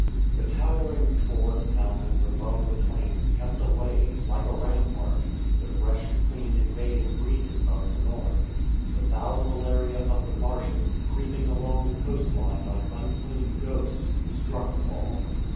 The towering Taurus mountains above the plain kept away — like a rampart — the fresh, clean, invading breezes of the north. The foul malaria of the marshes, creeping along the coast line like unclean ghosts, struck Paul.